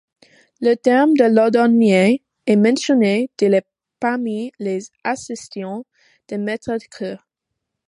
Le terme de lardonnier est mentionné dès le parmi les assistants du maître-queux.